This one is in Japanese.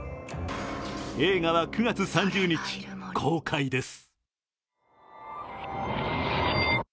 映画は９月３０日公開です。